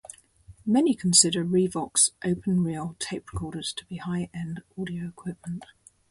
Many consider ReVox open-reel tape recorders to be high-end audio equipment.